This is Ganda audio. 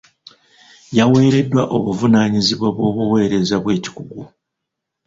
Yaweereddwa obuvunaanyizibwa bw'obuweereza bw'ekikugu.